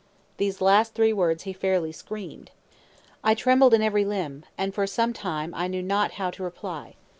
Those last three words he fairly screamed. I trembled in every limb, and for some time knew not how to reply.